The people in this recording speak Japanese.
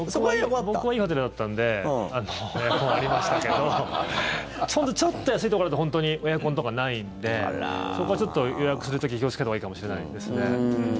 僕はいいホテルだったんでありましたけどちょっと安いところだと本当にエアコンとかないのでそこは、ちょっと予約する時に気をつけたほうがいいかもしれないですね。